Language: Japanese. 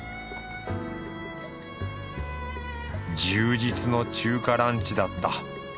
充実の中華ランチだった。